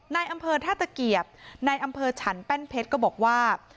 ในอำเภอท่าตะเกียบในอำเภอฉันแป้นเพชรก็บอกว่า